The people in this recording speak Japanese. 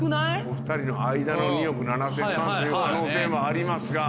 お２人の間の２億７０００万という可能性もありますが。